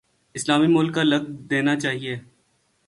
اسلامی ملک کا لقب دینا چاہیے۔